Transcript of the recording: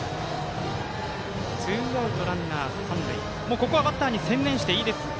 ここはバッターに専念していいですか？